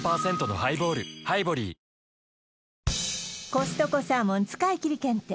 コストコサーモン使い切り検定